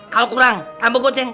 kalo kurang tambah goceng